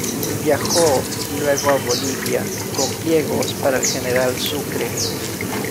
Viajó luego a Bolivia, con pliegos para el general Sucre.